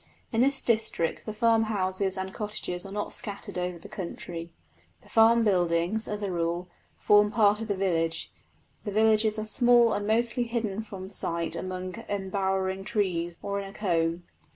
In this district the farmhouses and cottages are not scattered over the country. The farm buildings, as a rule, form part of the village; the villages are small and mostly hidden from sight among embowering trees or in a coombe.